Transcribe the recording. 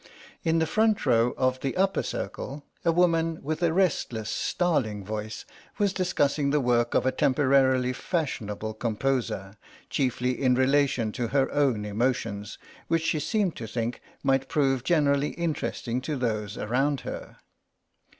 In the front row of the upper circle a woman with a restless starling voice was discussing the work of a temporarily fashionable composer, chiefly in relation to her own emotions, which she seemed to think might prove generally interesting to those around her.